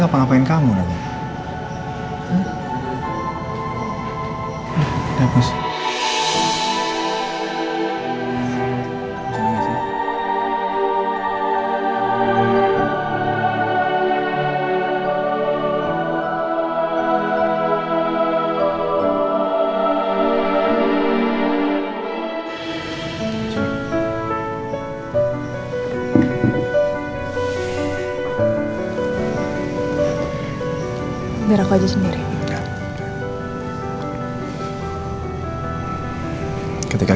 kayaknya aku gak salah liat nih